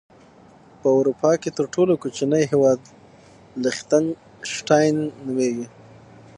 په اروپا کې تر ټولو کوچنی هیواد لختن شټاين نوميږي.